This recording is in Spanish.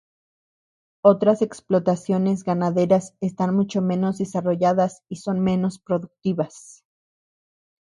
Otras explotaciones ganaderas están mucho menos desarrolladas y son menos productivas.